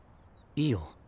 いいよ。